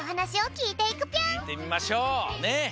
きいてみましょうねっ。